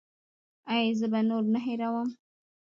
ایا زه به نور نه هیروم؟